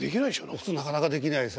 普通なかなかできないです